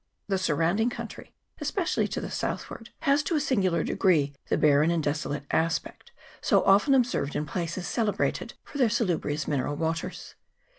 The surrounding country, especially to the south ward, has to a singular degree the barren and deso late aspect so often observed in places celebrated for their salubrious mineral waters.